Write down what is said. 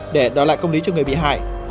để đòi lại công lý cho người bị hại